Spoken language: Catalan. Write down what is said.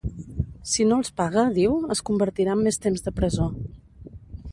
Si no els paga, diu, es convertirà en més temps de presó.